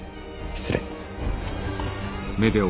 失礼。